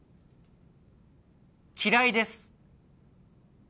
「嫌いです」